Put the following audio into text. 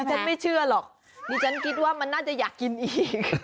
ฉันไม่เชื่อหรอกดิฉันคิดว่ามันน่าจะอยากกินอีก